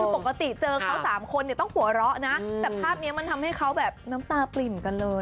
คือปกติเจอเขา๓คนต้องหัวเราะนะแต่ภาพนี้มันทำให้เขาแบบน้ำตาปริ่มกันเลย